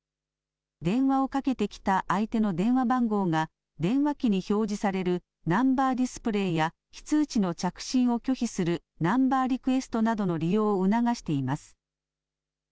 電話をかけてきた相手の電話番号が電話機に表示されるナンバー・ディスプレイや非通知の着信を拒否するナンバー・リクエストなどの利用を促しています。